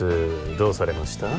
どうされました？